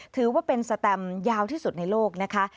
ถือว่าเป็นสแตมยาวที่สุดในโลกนะคะ